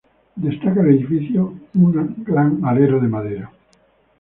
Destaca del edificio un gran alero de madera.